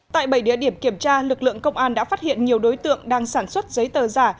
tại bảy địa điểm kiểm tra lực lượng công an đã phát hiện nhiều đối tượng đang sản xuất giấy tờ giả